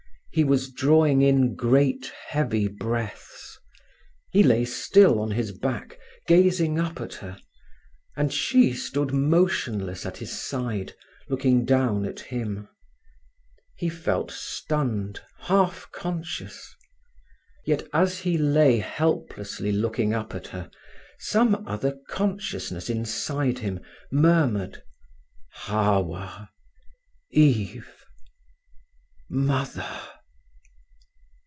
He was drawing in great heavy breaths. He lay still on his back, gazing up at her, and she stood motionless at his side, looking down at him. He felt stunned, half conscious. Yet as he lay helplessly looking up at her some other consciousness inside him murmured; "Hawwa—Eve—Mother!"